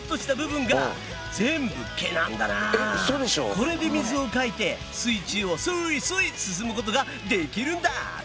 これで水をかいて水中をスイスイ進むことができるんだ！